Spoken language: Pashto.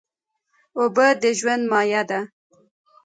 اوبه د ژوند مایه ده.